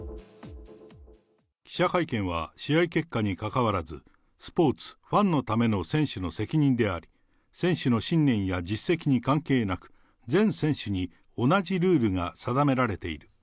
記者会見は試合結果にかかわらず、スポーツ、ファンのための選手の責任であり、選手の信念や実績に関係なく、全選手に同じルールが定められている。